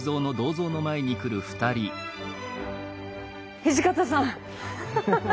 土方さん！